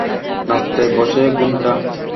নাচতে বসে ঘোমটা?